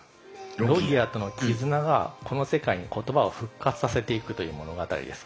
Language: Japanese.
ロギアとの絆がこの世界に言葉を復活させていくという物語です